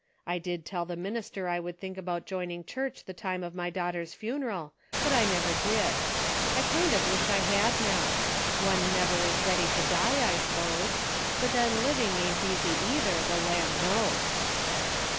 I did tell the minister I would think about joining church the time of my daughter's funeral, but I never did. I kind of wish I had now. One never is ready to die, I s'pose. But then living isn't easy either, the land knows."